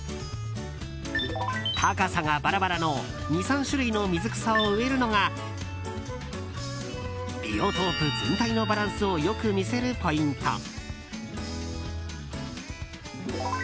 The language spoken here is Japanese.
高さがバラバラの２３種類の水草を植えるのがビオトープ全体のバランスを良く見せるポイント。